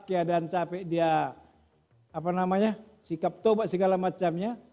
keadaan capek dia apa namanya sikap tobak segala macamnya